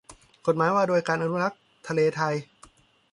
กฎหมายว่าด้วยการอนุรักษ์ทะเลไทย